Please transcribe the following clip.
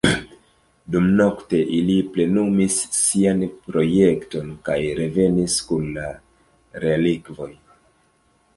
Dumnokte, ili plenumis sian projekton kaj revenis kun la relikvoj.